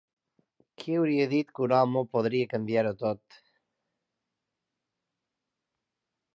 Qui hauria dit que un home podria canviar-ho tot.